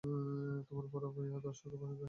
আর তোমরা বড় হয়ে ধর্ষকে পরিণত হয়েছো।